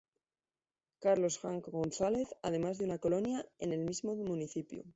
Carlos Hank González", además de una colonia en el mismo municipio.